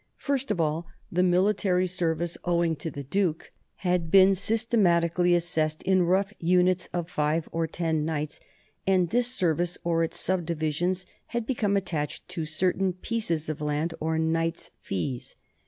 First of all, the military service owing to the duke had been systematically assessed in rough units of five or ten knights, and this service, or its subdivisions, had be come attached to certain pieces of land, or knights' fees.